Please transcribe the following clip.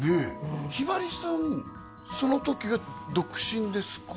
ひばりさんその時は独身ですか？